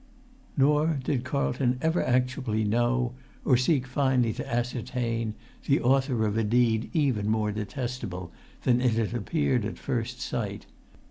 Nor did Carlton ever actually know, or seek finally to ascertain, the author of a deed even more detestable than it had appeared at first sight.